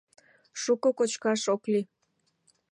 Шуко кочкаш ок лий.